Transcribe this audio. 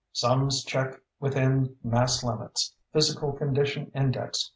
"Sums check within mass limits. Physical condition index 3.69.